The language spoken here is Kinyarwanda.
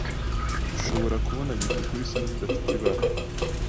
Ushobora kubona gikukuru isa n’idafite ibara,